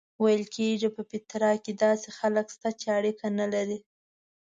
ویل کېږي په پیترا کې داسې خلک شته چې اړیکه نه لري.